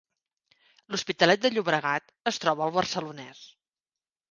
L’Hospitalet de Llobregat es troba al Barcelonès